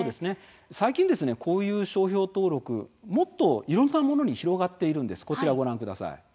最近は、こういう商標登録いろんなものに広がっているんです。